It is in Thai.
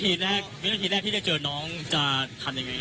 สิ่งแรกที่จะทำได้หากเจอหน้าหลาน